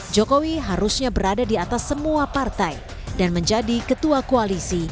jokowi harusnya berada di atas semua partai dan menjadi ketua koalisi